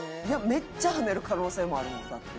めっちゃ跳ねる可能性もあるもんだって。